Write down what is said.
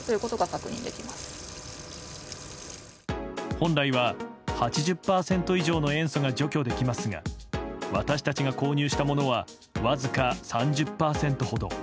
本来は８０％以上の塩素が除去できますが私たちが購入したものはわずか３０％ほど。